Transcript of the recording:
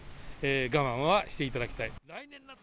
我慢をしていただきたい。